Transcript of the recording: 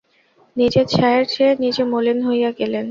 নিজের ছায়ার চেয়ে নিজে মলিন হইয়া গেলেন।